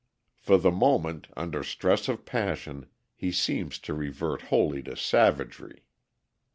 For the moment, under stress of passion, he seems to revert wholly to savagery.